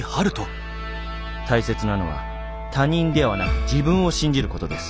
「大切なのは他人ではなく自分を信じることです。